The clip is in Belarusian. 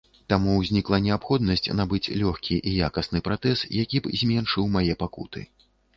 Таму ўзнікла неабходнасць набыць лёгкі і якасны пратэз, які б зменшыў мае пакуты.